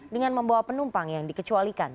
dengan membawa penumpang yang dikecualikan